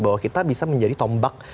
bahwa kita bisa menjadi tombak